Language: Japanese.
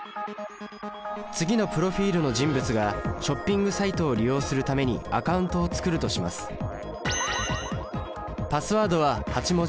次のプロフィールの人物がショッピングサイトを利用するためにアカウントを作るとします先生